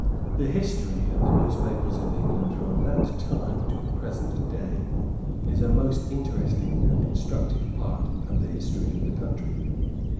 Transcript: The history of the newspapers of England from that time to the present day is a most interesting and instructive part of the history of the country.